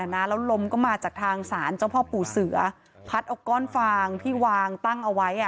แล้วลมก็มาจากทางศาลเจ้าพ่อปู่เสือพัดเอาก้อนฟางที่วางตั้งเอาไว้